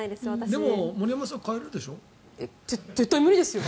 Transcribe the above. でも森山さん買えるでしょ？